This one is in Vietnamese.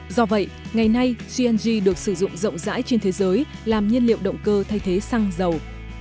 do vậy ngày nay cng được sử dụng rộng rãi trên thế giới làm nhiên liệu động cơ thay thế xăng dầu